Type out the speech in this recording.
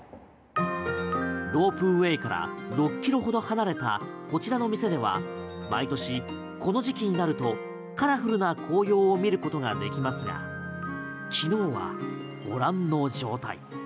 ロープウェイから６キロほど離れたこちらの店では毎年この時期になるとカラフルな紅葉を見ることができますが昨日はご覧の状態。